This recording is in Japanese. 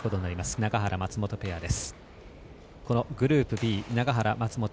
永原、松本選手です。